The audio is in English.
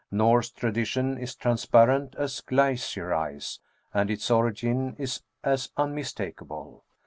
Norse tradition is transparent as glacier ice, and its origin is as unmis takable.